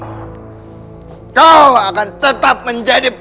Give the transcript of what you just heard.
aku sudah punya kekasih